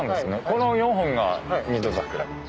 この４本が二度ザクラ。